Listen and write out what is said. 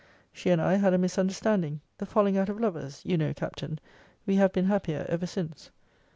She and I had a misunderstanding. The falling out of lovers you know, Captain. We have been happier ever since.